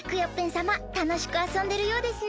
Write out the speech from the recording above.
さまたのしくあそんでるようですね。